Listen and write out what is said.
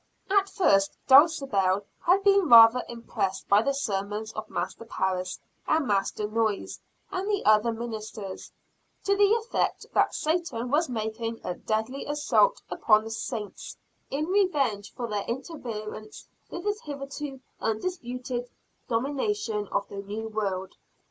At first Dulcibel had been rather impressed by the sermons of Master Parris and Master Noyes and the other ministers, to the effect that Satan was making a deadly assault upon the "saints," in revenge for their interference with his hitherto undisputed domination of the new world.